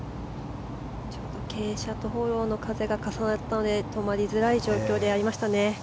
傾斜とフォローの風が重なったので止まりづらい状況になりましたね。